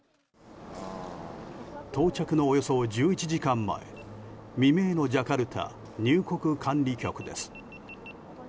到着のおよそ１１時間前未明のジャカルタ入国管理局です。